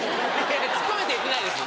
ツッコめって言ってないです